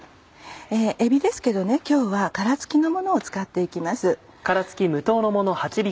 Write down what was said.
えびですけど今日は殻つきのものを使っていきます。